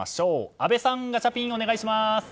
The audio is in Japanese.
阿部さん、ガチャピンお願いします。